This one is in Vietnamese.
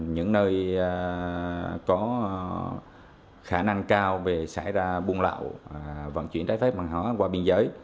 những nơi có khả năng cao về xảy ra buôn lậu vận chuyển trái phép bằng hóa qua biên giới